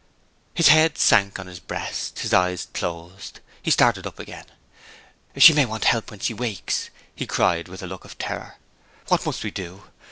His head sank on his breast, his eyes closed. He started up again. "She may want help when she wakes!" he cried, with a look of terror. "What must we do?